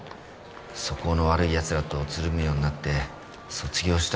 素行の悪いやつらとつるむようになって卒業した